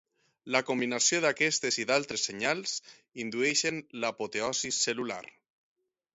La combinació d’aquests i d’altres senyals, indueixen l’apoptosi cel·lular.